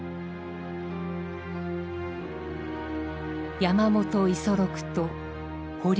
山本五十六と堀悌吉。